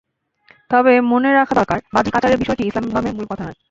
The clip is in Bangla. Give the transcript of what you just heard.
তবে মনে রাখা দরকার, বাহ্যিক আচারের বিষয়টি ইসলাম ধর্মের মূল কথা নয়।